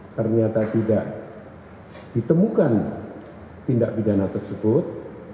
ternyata tidak ditemukan tindak pidana tersebut